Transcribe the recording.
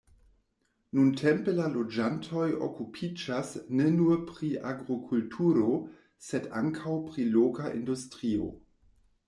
Nuntempe la loĝantoj okupiĝas ne nur pri agrokulturo, sed ankaŭ pri loka industrio.